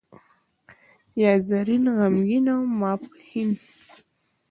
یا زرین، غمګین او ماپښین.